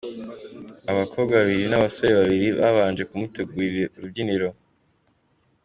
Abakobwa babiri n'abasore babiri babanje kumutegurira urubyiniro.